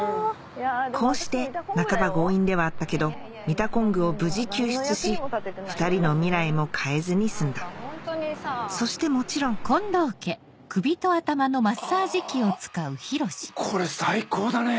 こうして半ば強引ではあったけどミタコングを無事救出し２人の未来も変えずに済んだそしてもちろんあこれ最高だね。